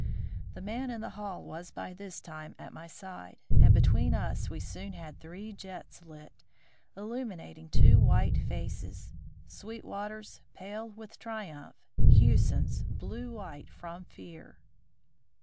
The man in the hall was by this time at my side, and between us we soon had three jets lit, illuminating two white faces: Sweetwater's pale with triumph, Hewson's blue white from fear.